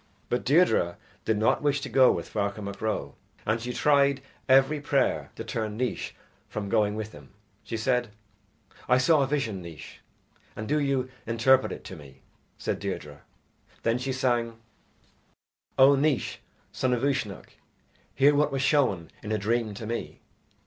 But Deirdre did not wish to go with Ferchar Mac Ro, and she tried every prayer to turn Naois from going with him she said: "I saw a vision, Naois, and do you interpret it to me," said Deirdre then she sang: O Naois, son of Uisnech, hear What was shown in a dream to me.